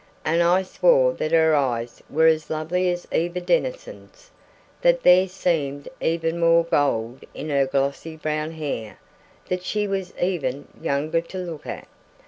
And I swore that her eyes were as lovely as Eva Denison's, that there seemed even more gold in her glossy brown hair, that she was even younger to look at.